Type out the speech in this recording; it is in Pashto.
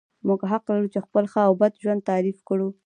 موږ حق لرو چې خپل ښه او بد ژوند تعریف کړو.